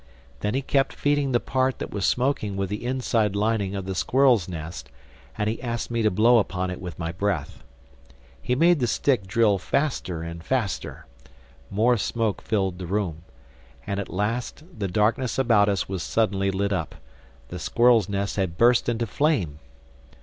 Then he kept feeding the part that was smoking with the inside lining of the squirrel's nest, and he asked me to blow upon it with my breath. He made the stick drill faster and faster. More smoke filled the room. And at last the darkness about us was suddenly lit up. The squirrel's nest had burst into flame.